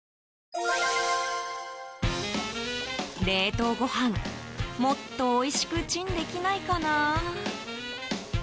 冷凍ご飯、もっとおいしくチンできないかな。